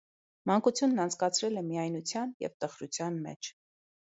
Մանկությունն անցկացրել է միայնության և տխրության մեջ։